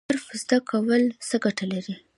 حرفه زده کول څه ګټه لري؟